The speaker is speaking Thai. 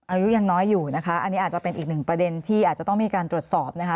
อายุยังน้อยอยู่นะคะอันนี้อาจจะเป็นอีกหนึ่งประเด็นที่อาจจะต้องมีการตรวจสอบนะคะ